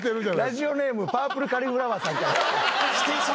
ラジオネームパープルカリフラワーさんから。